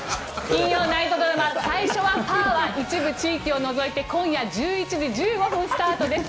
金曜ナイトドラマ「最初はパー」は一部地域を除いて今夜１１時１５分スタートです。